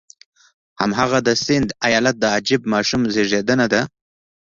هماغه د سند ایالت د عجیب ماشوم زېږېدنه ده.